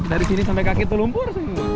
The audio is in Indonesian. dari sini sampai kaki itu lumpur